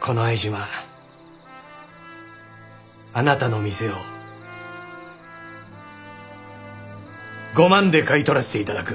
この相島あなたの店を５万で買い取らせていただく。